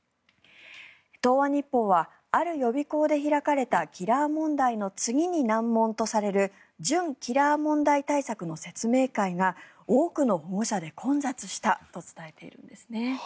東亜日報はある予備校で開かれたキラー問題の次に難問とされる準キラー問題対策の説明会が多くの保護者で混雑したと伝えているんですね。